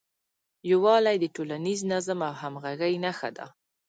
یووالی د ټولنیز نظم او همغږۍ نښه ده.